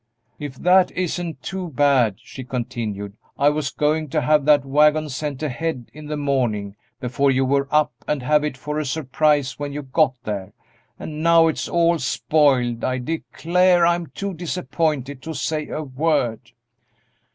"If that isn't too bad!" she continued; "I was going to have that wagon sent ahead in the morning before you were up and have it for a surprise when you got there, and now it's all spoiled. I declare, I'm too disappointed to say a word!"